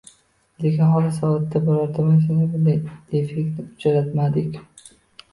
Lekin hozir zavoddagi birorta mashinada bunday defektni uchratmadik.